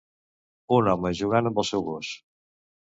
Un home jugant amb el seu gos.